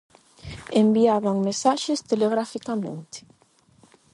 Enviaban mensaxes telegraficamente.